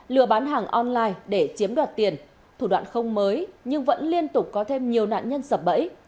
lừa bán hàng online để chiếm đoạt tiền thủ đoạn không mới nhưng vẫn liên tục có thêm nhiều nạn nhân sập bẫy